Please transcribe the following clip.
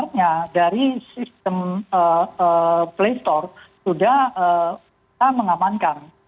sebenarnya dari sistem playstore sudah kita mengamankan